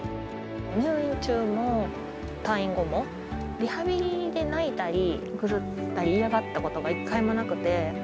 入院中も退院後も、リハビリで泣いたり、ぐずったり、嫌がったことが１回もなくて。